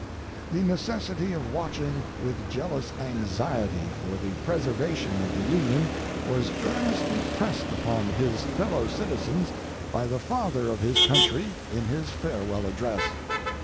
The necessity of watching with jealous anxiety for the preservation of the Union was earnestly pressed upon his fellow citizens by the Father of his Country in his Farewell Address.